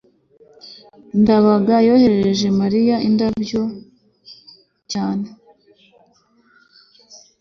ndabaga yohereje mariya indabyo cyane